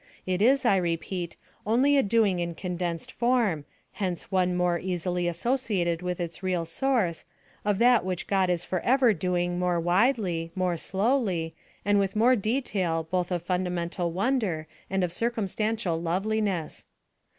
It is, I repeat, only a doing in condensed form, hence one more easily associated with its real source, of that which God is for ever doing more widely, more slowly, and with more detail both of fundamental wonder and of circumstantial loveliness.